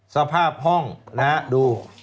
สภาพห้องนะฮะดู